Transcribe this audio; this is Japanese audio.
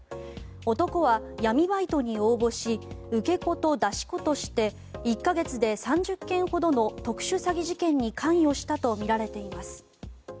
男は闇バイトに応募し受け子と出し子として１か月で３０件ほどの特殊詐欺事件に関与したとみられています。